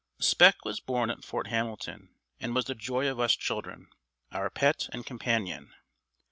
Spec was born at Fort Hamilton, and was the joy of us children, our pet and companion.